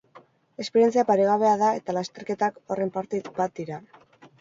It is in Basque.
Esperientzia paregabea da eta lasterketak horren parte bat dira.